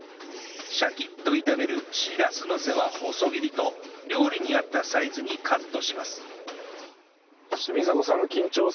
シャキッと炒めるしらすのせは細切りと料理に合ったサイズにカットします